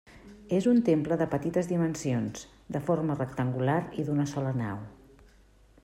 És un temple de petites dimensions, de forma rectangular i d'una sola nau.